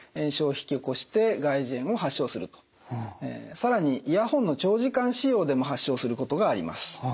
更にイヤホンの長時間使用でも発症することがあります。